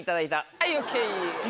はいＯＫ。